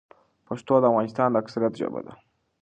پښتو د افغانستان اکثريت ژبه ده.